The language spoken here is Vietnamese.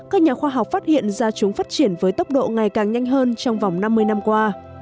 các nhà khoa học phát hiện da chúng phát triển với tốc độ ngày càng nhanh hơn trong vòng năm mươi năm qua